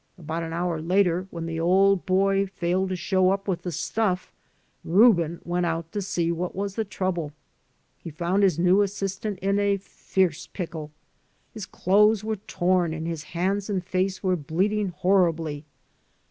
About an hour later, when the old boy failed to show up with the stuff, Reuben went out to see what was the trouble. He found his new assistant in a fierce pickle. His clothes were torn and his hands and face were bleeding horribly.